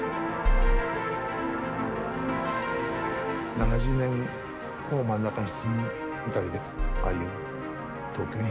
７０年を真ん中にした辺りでああいう東京に変わってきて。